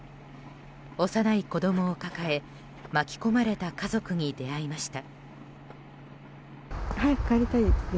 幼い子供を抱え、巻き込まれた家族に出会いました。